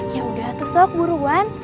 ya udah tuh sok buruan